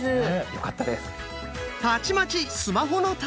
よかったです。